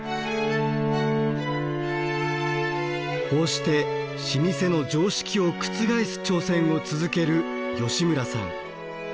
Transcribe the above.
こうして老舗の常識を覆す挑戦を続ける吉村さん。